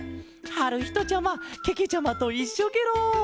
はるひとちゃまけけちゃまといっしょケロ。